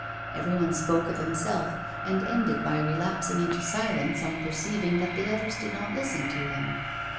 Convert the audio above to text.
Every one spoke of himself and ended by relapsing into silence on perceiving that the others did not listen to him.